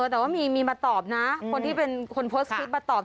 แต่ว่ามีมาตอบนะคนที่เป็นคนโพสต์คลิปมาตอบ